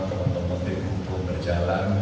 teman teman yang hukum berjalan